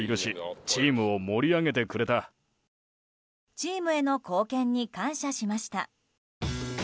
チームへの貢献に感謝しました。